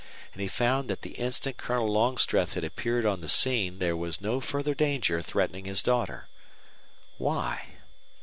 And he found that the instant Colonel Longstreth had appeared on the scene there was no further danger threatening his daughter. Why?